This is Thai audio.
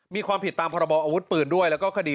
มีความผิดตามพรบอาวุธปืนด้วย